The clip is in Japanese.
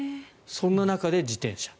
そんな中で自転車。